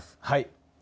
はい。